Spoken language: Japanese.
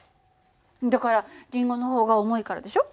だからリンゴの方が重いからでしょ？